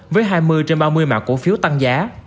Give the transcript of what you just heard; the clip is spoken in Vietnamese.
với hai mươi trên ba mươi mã cổ phiếu tăng giá